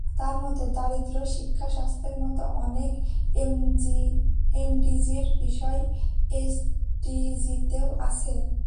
তাঁর মতে, দারিদ্র্য, শিক্ষা, স্বাস্থ্যের মতো অনেক এমডিজির বিষয় এসডিজিতেও আছে।